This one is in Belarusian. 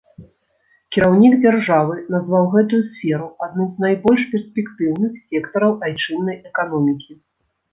Кіраўнік дзяржавы назваў гэтую сферу адным з найбольш перспектыўных сектараў айчыннай эканомікі.